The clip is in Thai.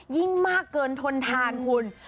ยิ่งมากเกินทนทานคุณ